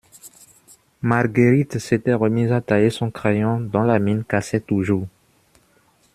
Marguerite s'était remise à tailler son crayon, dont la mine cassait toujours.